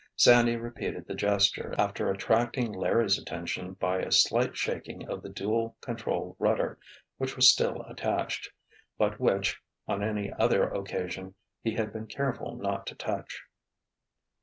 Sandy repeated the gesture after attracting Larry's attention by a slight shaking of the dual control rudder which was still attached, but which, on any other occasion, he had been careful not to touch.